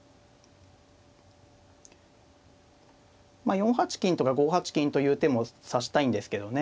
まあ４八金とか５八金という手も指したいんですけどね。